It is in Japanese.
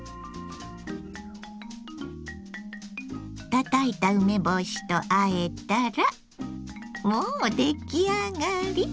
たたいた梅干しとあえたらもう出来上がり。